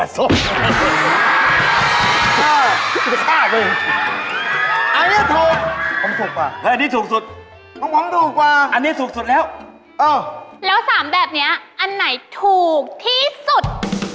แล้ว๓แบบนี้อันไหนถูกที่สุด